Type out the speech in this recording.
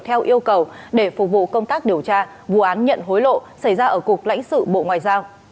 theo yêu cầu để phục vụ công tác điều tra vụ án nhận hối lộ xảy ra ở cục lãnh sự bộ ngoại giao